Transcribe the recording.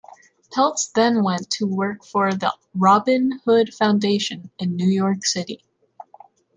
Peltz then went to work for the Robin Hood Foundation in New York City.